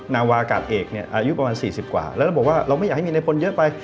นาวากาศเอกเนี่ยอายุประมาณ๔๐กว่าแล้วเราบอกว่าเราไม่อยากให้มีในพลเยอะไป